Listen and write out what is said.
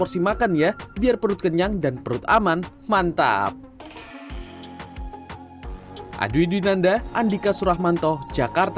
porsi makan ya biar perut kenyang dan perut aman mantap dinanda andika surahmanto jakarta